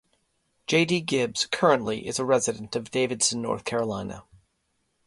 J. D. Gibbs currently is a resident of Davidson, North Carolina.